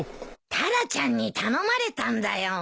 タラちゃんに頼まれたんだよ。